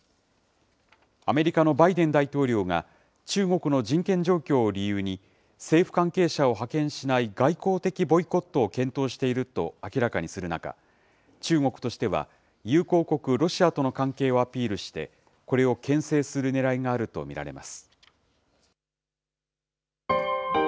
アメリカのバイデン大統領が、中国の人権状況を理由に、政府関係者を派遣しない外交的ボイコットを検討していると明らかにする中、中国としては友好国、ロシアとの関係をアピールして、これをけん制するねらいがあると見られます。